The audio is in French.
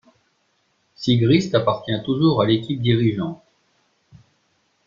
Sigrist appartient toujours à l’équipe dirigeante.